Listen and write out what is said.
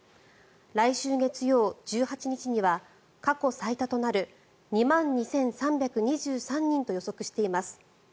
来週月曜、１８日には過去最多となる２万２３２３人と予測しています。